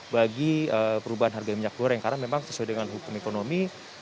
bagi perubahan harga minyak goreng karena memang sesuai dengan hukum ekonomi